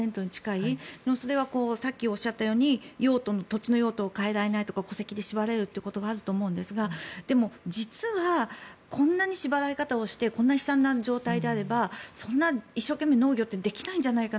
それはさっきおっしゃったように土地の用途を変えられないとか戸籍で縛られるということがあると思うんですが実はこんな縛られ方をしてこんな悲惨な状態であればそんな一生懸命、農業ってできないんじゃないかな。